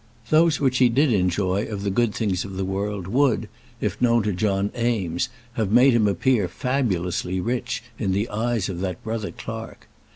Those which he did enjoy of the good things of the world would, if known to John Eames, have made him appear fabulously rich in the eyes of that brother clerk.